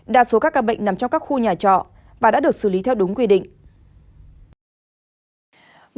đa số các ca bệnh nằm trong các khu nhà trọ và đã được xử lý theo đúng quy định